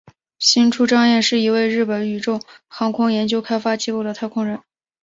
星出彰彦是一位日本宇宙航空研究开发机构的太空人。